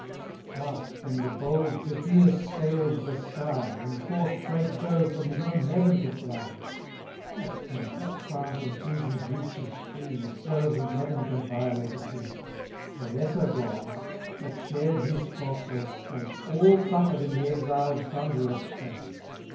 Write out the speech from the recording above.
Thus when the bold Typhoeus scaled the sky, And forced great Jove from his own Heaven to fly, (What king, what crown from treason's reach is free, If Jove and Heaven can violated be?) 40 The lesser gods, that shared his prosperous state, All suffer'd in the exiled Thunderer's fate.